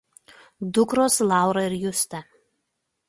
Dukros Laura ir Justė.